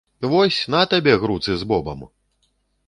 Вось, на табе груцы з бобам!